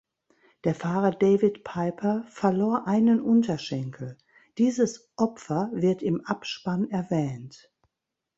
Der Fahrer David Piper verlor einen Unterschenkel; dieses "Opfer" wird im Abspann erwähnt.